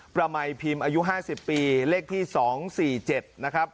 ประมัยพิมพ์อายุห้าสิบปีเลขที่สองสี่เจ็ดนะครับ